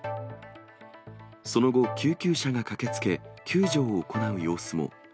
その後、救急車が駆けつけ、救助を行う様子も。